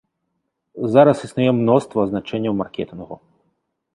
Зараз існуе мноства азначэнняў маркетынгу.